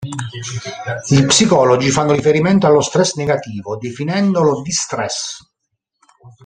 Gli psicologi fanno riferimento allo stress negativo definendolo distress.